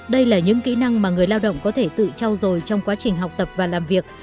đây là những kỹ năng mà người lao động có thể tự trao dồi trong quá trình học tập và làm việc